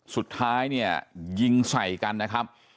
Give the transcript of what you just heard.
สุดท้ายยิงใส่กันนะครับ